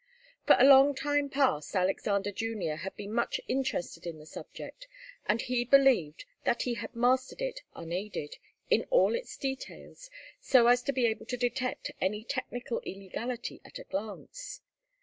For a long time past Alexander Junior had been much interested in the subject, and he believed that he had mastered it unaided, in all its details, so as to be able to detect any technical illegality at a glance.